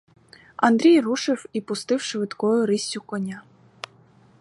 Андрій рушив і пустив швидкою риссю коня.